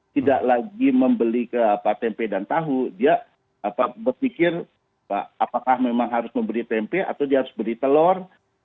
tidak lagi membeli ke tempe dan tahu dia berpikir apakah memang harus membeli tempe atau dia harus beli telur